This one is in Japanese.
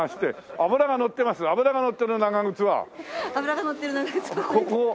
脂がのってる長靴はこれ。